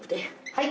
はい。